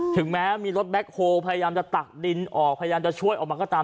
ถึงแม้มีรถแบ็คโฮลพยายามจะตักดินออกพยายามจะช่วยออกมาก็ตาม